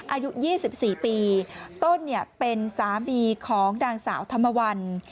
อายุ๒๔ปีต้นเป็นสามีของนางสาวธรรมวัน